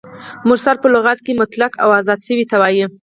مرسل په لغت کښي مطلق او آزاد سوي ته وايي.